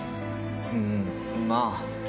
うんまぁ。